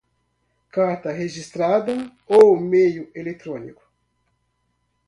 carta registrada ou meio eletrônico